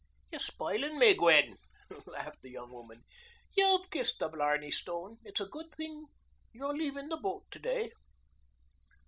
"You're spoiling me, Gwen," laughed the young woman. "You've kissed the blarney stone. It's a good thing you're leaving the boat to day."